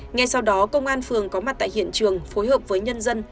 ngay sau đó công an phường có mặt tại hiện trường phối hợp với nhân dân